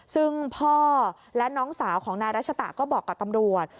ซึ่งพ่อและน้องสาวของนายรัชตะก็บอกกับตำรวจ